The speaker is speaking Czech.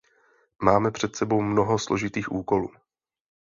Máme před sebou mnoho složitých úkolů.